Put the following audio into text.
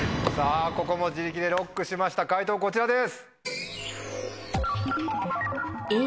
ここも自力でＬＯＣＫしました解答こちらです。